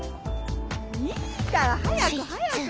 いいから！早く早く！